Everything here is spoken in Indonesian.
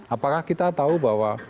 apakah kita tahu bahwa